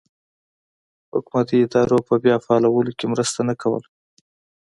حکومتي ادارو په بیا فعالولو کې مرسته نه کوله.